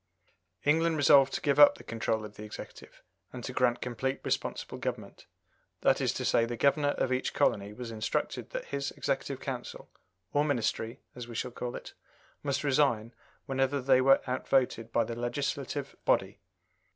England resolved to give up the control of the Executive, and to grant complete responsible government that is to say, the Governor of each colony was instructed that his Executive Council (or Ministry, as we should call it) must resign whenever they were out voted by the legislative body.